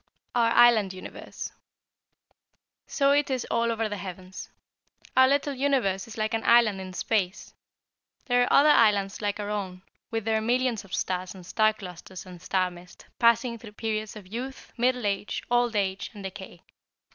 OUR ISLAND UNIVERSE. "So it is all over the heavens. Our little universe is like an island in space. There are other islands like our own, with their millions of stars and star clusters and star mist, passing through the periods of youth, middle age, old age, and decay.